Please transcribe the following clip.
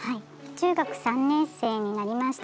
中学３年生になりました